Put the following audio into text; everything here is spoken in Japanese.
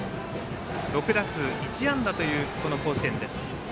６打数１安打というこの甲子園です。